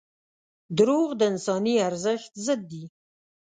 • دروغ د انساني ارزښت ضد دي.